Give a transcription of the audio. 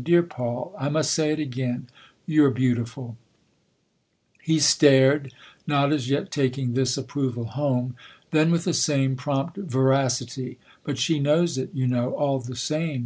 " Dear Paul, I must say it again you're beautiful !" He stared, not as yet taking this approval home; then with the same prompt veracity, " But she knows it, you know, all the same